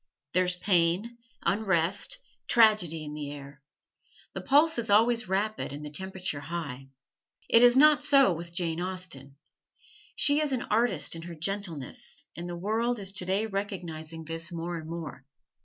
There's pain, unrest, tragedy in the air. The pulse always is rapid and the temperature high. It is not so with Jane Austen. She is an artist in her gentleness, and the world is today recognizing this more and more.